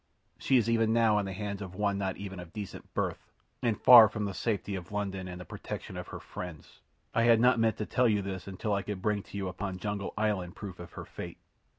She is even now in the hands of one not even of decent birth, and far from the safety of London and the protection of her friends. I had not meant to tell you this until I could bring to you upon Jungle Island proof of her fate.